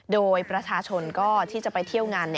โดยประชาชนก็ที่จะไปเที่ยวงาน